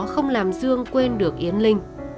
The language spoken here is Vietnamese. không làm dương quên được yến linh